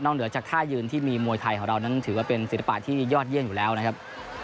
เหนือจากท่ายืนที่มีมวยไทยของเรานั้นถือว่าเป็นศิลปะที่ยอดเยี่ยมอยู่แล้วนะครับ